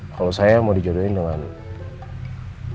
akan saya kasih elektronik